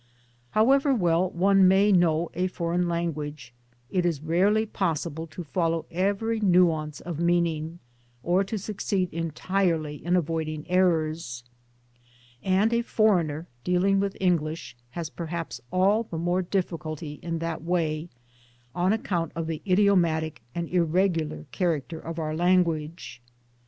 However well one may know a foreign language it is rarely possible to follow every nuance of mean ing or to succeed entirely in avoiding errors ; and a foreigner dealing with English has perhaps all the more difficulty in that way on account of the idiomatic and irregular character of our language.